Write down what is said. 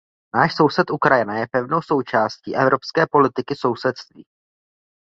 Náš soused Ukrajina je pevnou součástí Evropské politiky sousedství.